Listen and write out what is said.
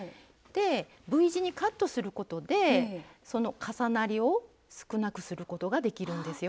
Ｖ字にカットすることでその重なりを少なくすることができるんですよ。